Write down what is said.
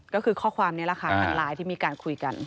ก็คือข้อความนี้แหละค่ะทางไลน์ที่มีการคุยกัน